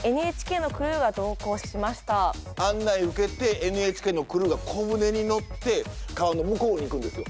案内受けてＮＨＫのクルーが小船に乗って川の向こうに行くんですよ。